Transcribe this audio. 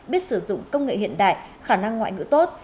biết sử dụng công nghệ hiện đại khả năng ngoại ngữ tốt